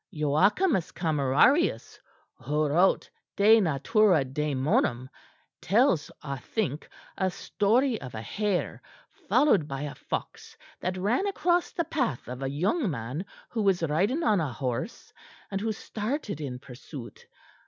Joachimus Camerarius, who wrote de natura dæmonum, tells, I think, a story of a hare followed by a fox that ran across the path of a young man who was riding on a horse, and who started in pursuit.